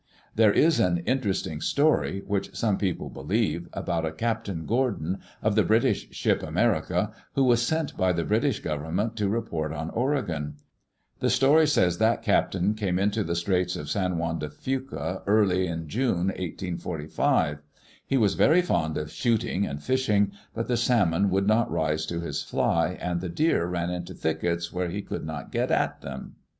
There is an interesting story, which some people be lieve, about a Captain Gordon, of the British ship America, who was sent by the British Government to report on Oregon. The story says that captain came into the Digitized by CjOOQ IC WHO OWNED THE "OREGON COUNTRY '♦? Straits of San Juan dc Fuca early in June, 1845. He was very fond of shooting and fishing; but the sahnon would not rise to his fly, and the deer ran into thickets where he could not get at them.